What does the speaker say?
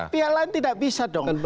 pihak lain tidak bisa dong